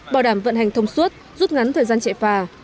bảo đảm vận hành thông suốt rút ngắn thời gian chạy phà